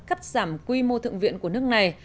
cắt giảm quy mô thượng viện của nước này